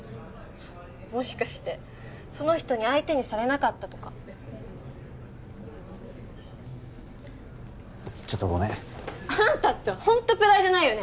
もしかしてその人に相手にされなかったとかちょっとごめんアンタってホントプライドないよね